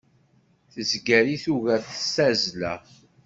Tezger i tuga s tazzla.